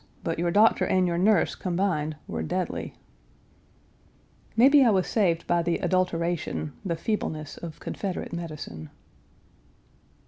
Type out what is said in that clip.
But your doctor and your nurse combined were deadly." Maybe I was saved by the adulteration, the feebleness, of Confederate medicine.